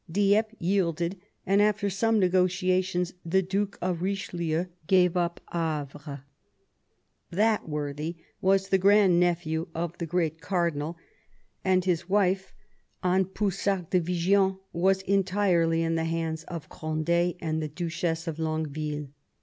Dieppe yielded, and after some negotiations the Duke of Eichelieu gave up Havre. Tliat worthy was the grand nephew of the great cardinal, and his wife, Anne Poussart du Vigean, was entirely in the hands of Cond^ and the Duchess of Longueville.